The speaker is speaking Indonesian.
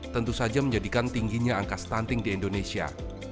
tentu saja menjadikan tingginya angka stunting di indonesia